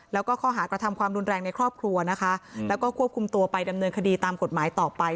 แล้วก็ข้อหากระทำความรุนแรงในครอบครัวนะคะแล้วก็ควบคุมตัวไปดำเนินคดีตามกฎหมายต่อไป